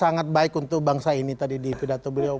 sangat baik untuk bangsa ini tadi di pidato beliau